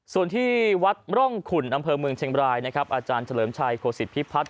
ส่วนที่วัดร่องขุนอำเภอเมืองเชียงบรายนะครับอาจารย์เฉลิมชัยโคศิษฐพิพัฒน